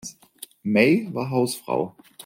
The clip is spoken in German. May, war Hausfrau.